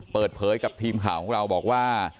เปิดเผยกับทีมข่าวของเราบอกว่า